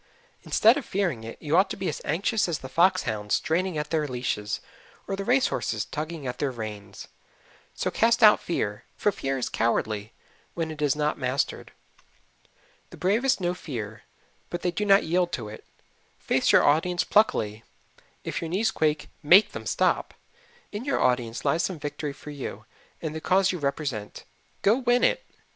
Instead of fearing it, you ought to be as anxious as the fox hounds straining at their leashes, or the race horses tugging at their reins. So cast out fear, for fear is cowardly when it is not mastered. The bravest know fear, but they do not yield to it. Face your audience pluckily if your knees quake, MAKE them stop. In your audience lies some victory for you and the cause you represent. Go win it.